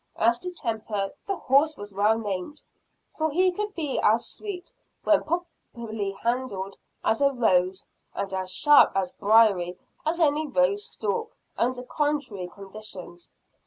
As to temper, the horse was well named; for he could be as sweet, when properly handled, as a rose; and as sharp and briary as any rose stalk under contrary conditions.